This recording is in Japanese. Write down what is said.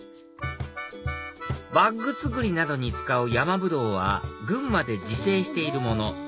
バッグ作りなどに使うヤマブドウは群馬で自生しているもの